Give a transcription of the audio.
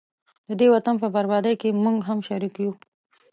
ددې وطن په بربادۍ کي موږه هم شریک وو